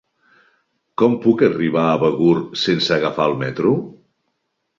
Com puc arribar a Begur sense agafar el metro?